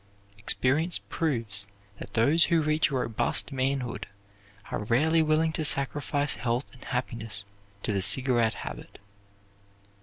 Experience proves that those who reach a robust manhood are rarely willing to sacrifice health and happiness to the cigarette habit.